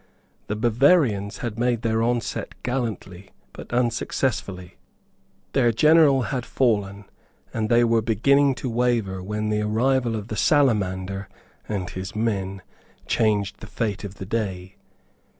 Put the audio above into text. The Bavarians had made their onset gallantly but unsuccessfully; their general had fallen; and they were beginning to waver when the arrival of the Salamander and his men changed the fate of the day.